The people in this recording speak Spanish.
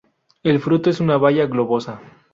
El fruto es una baya globosa.